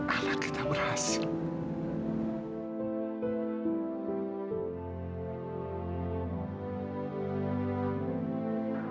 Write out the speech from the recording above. anak kita berhasil